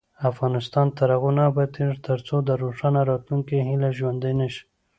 افغانستان تر هغو نه ابادیږي، ترڅو د روښانه راتلونکي هیله ژوندۍ نشي.